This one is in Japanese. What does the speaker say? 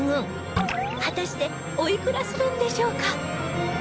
果たしておいくらするんでしょうか？